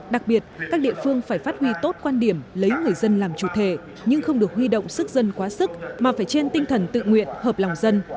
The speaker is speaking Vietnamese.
đặc biệt các địa phương phải phát huy tốt quan điểm lấy người dân làm chủ thể nhưng không được huy động sức dân quá sức mà phải trên tinh thần tự nguyện hợp lòng dân